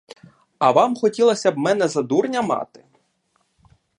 А вам хотілося б мене за дурня мати?